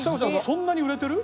そんなに売れてる？